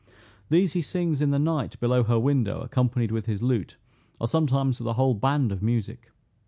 These he sings in the night below her window accompanied with his lute, or sometimes with a whole band of music.